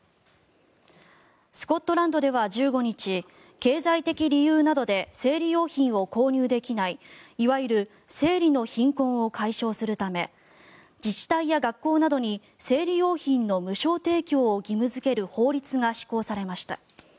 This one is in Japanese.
スコットランドでは１５日経済的理由などで生理用品を購入できないいわゆる生理の貧困を解消するため自治体や学校などに生理用品の無償提供を義務付ける法律が施行されました。